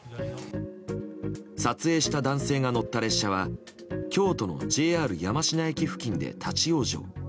撮影した男性が乗った列車は京都のＪＲ山科駅付近で立ち往生。